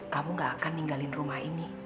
kamu gak akan ninggalin rumah ini